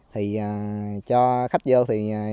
thì cho khách vô thì